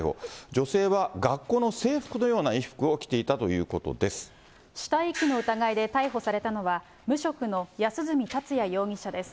女性は学校の制服のような衣服を死体遺棄の疑いで逮捕されたのは、無職の安栖達也容疑者です。